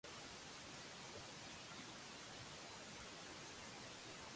Adhikari was praised as the first "literary martyr" in Nepal.